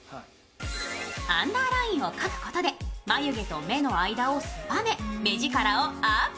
アンダーラインを描くことで眉毛と目の間を狭め目力をアップ。